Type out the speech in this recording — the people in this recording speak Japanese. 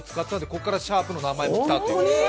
ここからシャープの名前とったと。